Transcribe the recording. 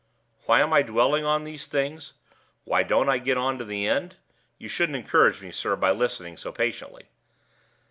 Why am I dwelling on these things? Why don't I get on to the end? You shouldn't encourage me, sir, by listening, so patiently.